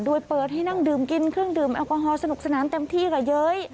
โดยเปิดให้นั่งดื่มกินเครื่องดื่มแอลกอฮอลสนุกสนานเต็มที่ค่ะเย้ย